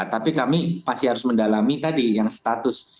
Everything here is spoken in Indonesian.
tapi kami pasti harus mendalami tadi yang status